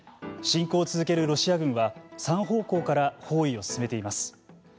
侵攻を続けるロシア軍は３方向から包囲を進めています。